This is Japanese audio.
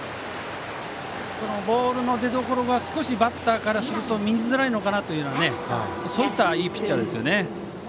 ボールの出どころが少しバッターからすると見づらいのかなといういいピッチャーですよね。